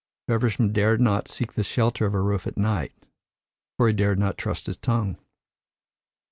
Feversham dared not seek the shelter of a roof at night, for he dared not trust his tongue.